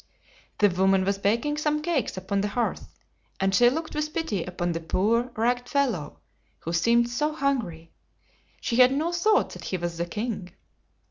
The wom an was baking some cakes upon the hearth, and she looked with pity upon the poor, ragged fellow who seemed so hungry. She had no thought that he was the king.